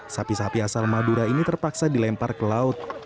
sapi sapi asal madura ini terpaksa dilempar ke laut